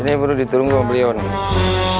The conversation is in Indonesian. ini baru diturunkan beliau nih